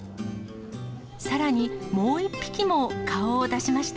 さらに、もう１匹も顔を出しました。